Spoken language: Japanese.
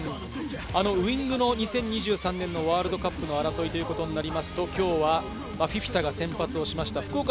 ウイングの２０２３年のワールドカップの争いということになりますと、今日はフィフィタが先発をしました。